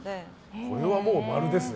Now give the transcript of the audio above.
これはもう、○ですね